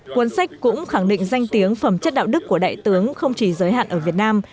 cuốn sách cũng khẳng định danh tiếng phẩm chất đạo đức của đại tướng không chỉ giới hạn ở việt nam